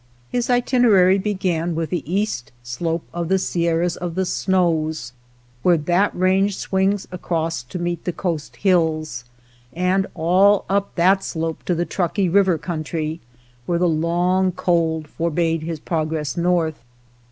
His itinerary began with the east slope of the Sierras of the Snows, where that range swings across to meet the coast hills, and all up that slope to the Truckee River country, where the long cold forbade his progress north.